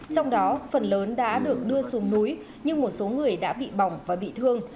trong đó phần lớn đã được đưa xuống núi nhưng một số người đã bị bỏng và bị thương